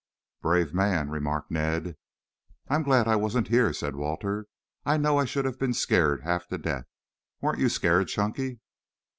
"Brave man," remarked Ned. "I am glad I wasn't here," said Walter. "I know I should have been scared half to death. Weren't you scared, Chunky?"